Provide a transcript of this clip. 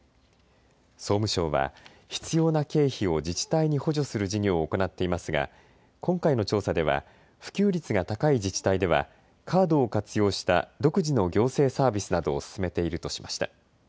総務省は必要な経費を自治体に補助する事業を行っていますが今回の調査では普及率が高い自治体ではカードを活用した独自の行政サービスなどを進めているとしました。